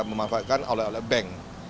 dimanfaatkan oleh oleh bank